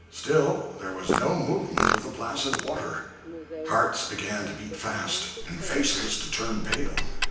Still there was no movement of the placid water. Hearts began to beat fast, and faces to turn pale.